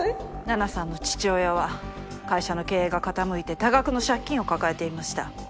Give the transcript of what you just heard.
奈々さんの父親は会社の経営が傾いて多額の借金を抱えていました。